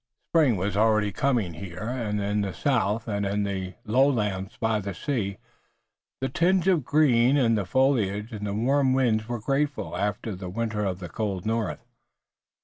Spring was already coming here in the south and in the lowlands by the sea, and the tinge of green in the foliage and the warm winds were grateful after the winter of the cold north.